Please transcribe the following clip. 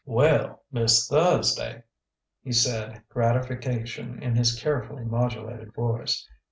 "Well, Miss Thursday!" he said, gratification in his carefully modulated voice.